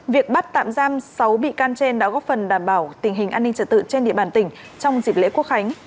việc bắt tạm giam sáu bị can trên đã góp phần đảm bảo tình hình an ninh trật tự trên địa bàn tỉnh trong dịp lễ quốc khánh